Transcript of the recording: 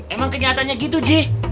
emang kenyataannya gitu ji